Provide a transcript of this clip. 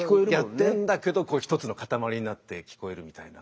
やってんだけど１つのかたまりになって聞こえるみたいな。